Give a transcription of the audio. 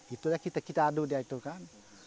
itulah kita adu dia itu kan